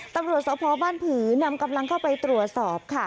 ตำรวจสพบ้านผือนำกำลังเข้าไปตรวจสอบค่ะ